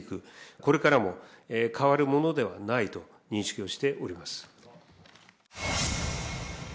これからも変わるものではないと認識をしております。